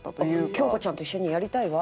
「京子ちゃんと一緒にやりたいわ」